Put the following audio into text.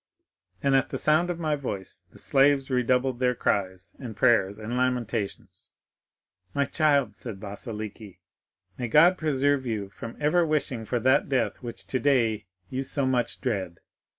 And at the sound of my voice the slaves redoubled their cries and prayers and lamentations. 'My child,' said Vasiliki, 'may God preserve you from ever wishing for that death which today you so much dread!